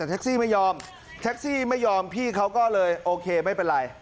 แต่แท็กซี่ไม่ยอมพี่เค้าก็โอเคไม่เป็นไร